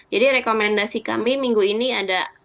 jadi rekomendasi kami minggu ini ada